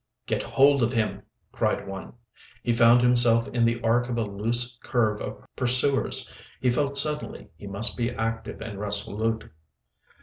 "Get hold of him!" cried one. He found himself in the arc of a loose curve of pursuers. He felt suddenly he must be active and resolute.